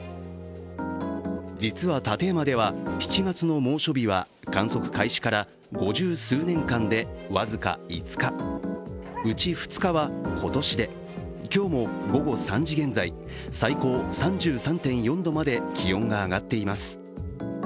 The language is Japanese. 実は館山では７月の猛暑日は観測開始から五十数年間で僅か５日、うち２日は今年で、今日も午後３時現在、最高３３．４度まで気温が上がっています。